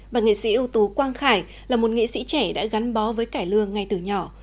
và nghệ sĩ ưu tú quang khải là một nghệ sĩ trẻ đã gắn bó với cải lương ngay từ nhỏ